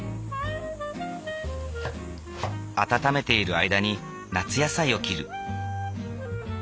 温めている間に夏野菜を切る。